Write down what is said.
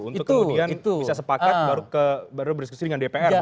untuk kemudian bisa sepakat baru berdiskusi dengan dpr